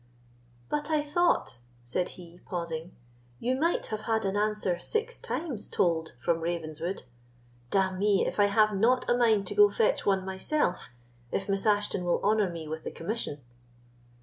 But I thought," said he, pausing, "you might have had an answer six times told from Ravenswood. D—n me, if I have not a mind to go fetch one myself, if Miss Ashton will honour me with the commission."